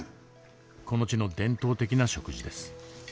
この地の伝統的な食事です。